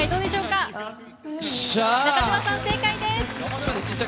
中島さん、正解です。